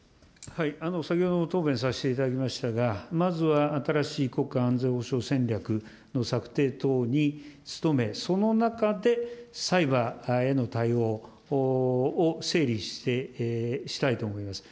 先ほども答弁させていただきましたが、まずは新しい国家安全保障戦略の策定等に努め、その中で、サイバーへの対応を整理して、したいと思います。